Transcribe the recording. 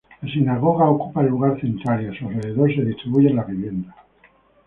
La sinagoga ocupa el lugar central, y a su alrededor se distribuyen las viviendas.